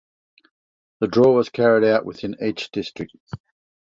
The draw was carried out within each district.